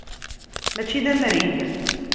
Mačči d amrig.